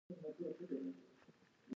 ښه ژوول د هضم مرسته کوي